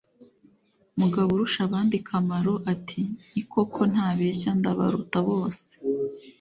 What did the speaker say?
mugaburushabandakamaro ati: "ni koko ntabeshya ndabaruta bose."